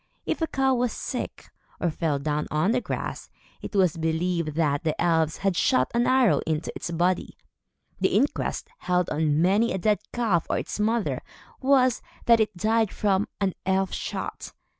If a cow was sick, or fell down on the grass, it was believed that the elves had shot an arrow into its body. The inquest, held on many a dead calf or its mother, was, that it died from an "elf shot."